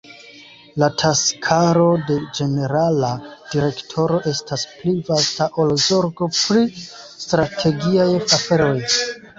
La taskaro de Ĝenerala Direktoro estas pli vasta ol zorgo pri strategiaj aferoj.